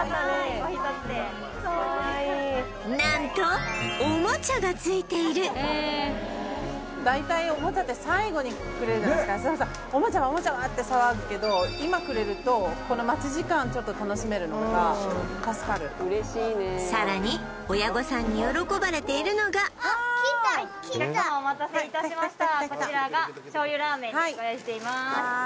お一つでなんとおもちゃがついているそうすると「おもちゃは？」って騒ぐけど今くれるとこの待ち時間ちょっと楽しめるのが助かるさらに親御さんに喜ばれているのがお客様お待たせいたしましたこちらがしょうゆラーメンでご用意しています